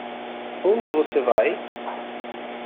Onde você vai?